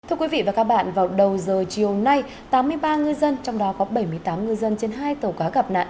thưa quý vị và các bạn vào đầu giờ chiều nay tám mươi ba ngư dân trong đó có bảy mươi tám ngư dân trên hai tàu cá gặp nạn